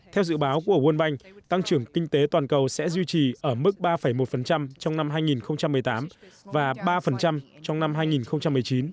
theo dự báo của world bank tăng trưởng kinh tế toàn cầu sẽ duy trì ở mức ba một trong năm hai nghìn một mươi tám và ba trong năm hai nghìn một mươi chín